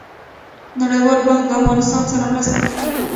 نړیوال بانک له افغانستان سره مرسته کوي